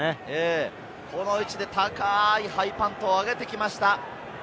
この位置で高いハイパントを上げてきました。